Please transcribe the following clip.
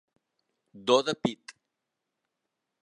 Do de pit.